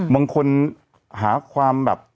บางคนหาความแบบ